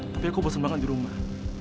tapi aku bosan banget di rumah